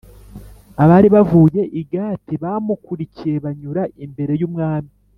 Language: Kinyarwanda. abari bavuye i Gati bamukurikiye, banyura imbere y’umwami.